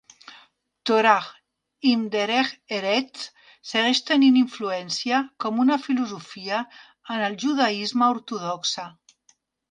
"Torah im Derech Eretz" segueix tenint influència com una filosofia en el judaisme ortodoxe.